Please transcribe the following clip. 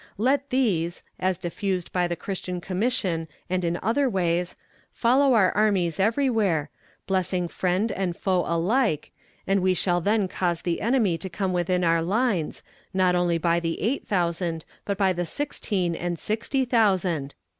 Let these, as diffused by the Christian Commission and in other ways, follow our armies everywhere, blessing friend and foe alike, and we shall then cause the enemy to come within our lines, not only by the eight thousand, but by the sixteen and sixty thousand.